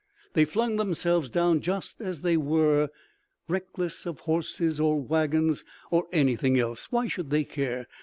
They flung themselves down just as they were, reckless of horses or wagons or anything else. Why should they care?